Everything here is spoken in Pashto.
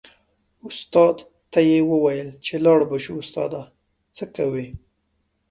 استاد ته یې و ویل چې لاړ به شو استاده څه کوې.